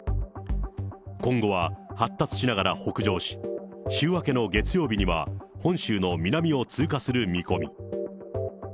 今後は発達しながら北上し、週明けの月曜日には、本州の南を通過する見込み。